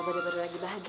bener bener lagi bahagia